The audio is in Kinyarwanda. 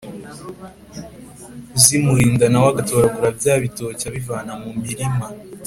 zimulinda nawe agatoragura bya bitoki abivana mu milima